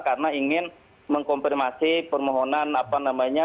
karena ingin mengkomplimasi permohonan apa namanya